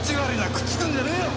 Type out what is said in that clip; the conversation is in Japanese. くっつくんじゃねえよ！